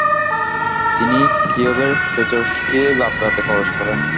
তিনি কিয়েভের পেচেরস্কি লাভরাতে প্রবেশ করেন।